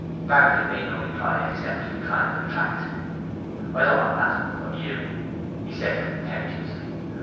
Barrington made no reply except to decline the tract: 'I don't want that from you,' he said contemptuously.